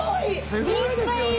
すごいですよね。